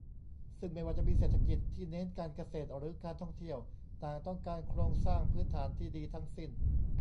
ซึ่งไม่ว่าจะมีเศรษฐกิจที่เน้นการเกษตร หรือ การท่องเที่ยว ต่างต้องการโครงสร้างพื้นฐานที่ดีทั้งสิ้น